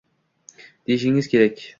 Deyishingiz kerak